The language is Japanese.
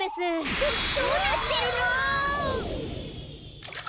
どどうなってるの！？